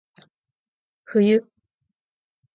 冬